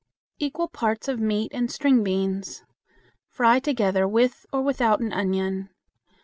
Equal parts of meat and string beans. Fry together with or without an onion.